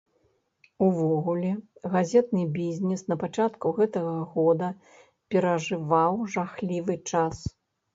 Увогуле, газетны бізнес на пачатку гэтага года перажываў жахлівы час.